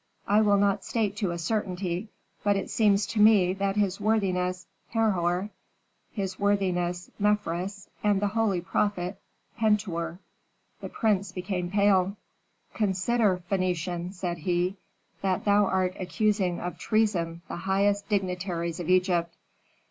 I will not state to a certainty. But it seems to me that his worthiness Herhor, his worthiness Mefres, and the holy prophet Pentuer." The prince became pale. "Consider, Phœnician," said he, "that thou art accusing of treason the highest dignitaries of Egypt."